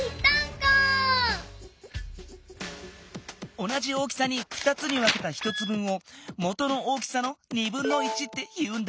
おなじ大きさに２つにわけた１つぶんをもとの大きさのっていうんだ。